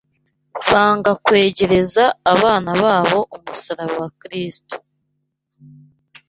banga kwegereza abana babo umusaraba wa Kristo